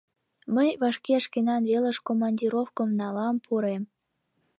Мый вашке шкенан велыш командировкым налам, пурем.